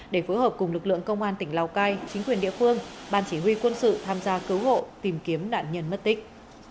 để phối hợp cùng lực lượng công an tỉnh lào cai chính quyền địa phương ban chỉ huy quân sự tham gia cứu hộ tìm kiếm nạn nhân mất tích